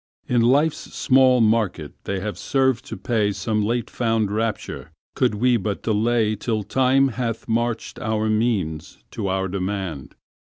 In life's small market they had served to paySome late found rapture, could we but delayTill Time hath matched our means to our demand."